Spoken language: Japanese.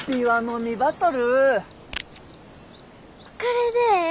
これでええ？